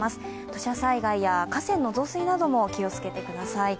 土砂災害や河川の増水なども気を付けてください。